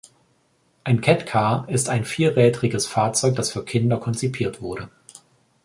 Ein Kettcar ist ein vierrädriges Fahrzeug, das für Kinder konzipiert wurde.